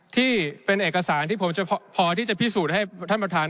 ที่เป็นเอกสารที่ผมจะพอที่จะพิสูจน์ให้ท่านประธาน